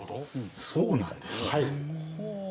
そうなんですね。